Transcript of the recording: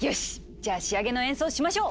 じゃあ仕上げの演奏しましょう！